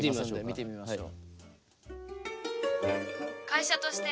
見てみましょう。